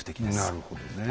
なるほどねえ。